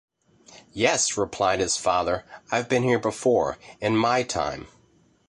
‘Yes,’ replied his father, ‘I’ve been here before, in my time'.